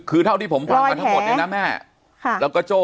คือเท่าที่ผมฟังกันทั้งหมดเนี่ยนะแม่แล้วก็โจ้